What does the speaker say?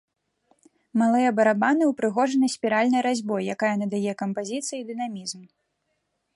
Малыя барабаны ўпрыгожаны спіральнай разьбой, якая надае кампазіцыі дынамізм.